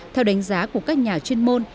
theo đánh giá của các nhà chuyên môn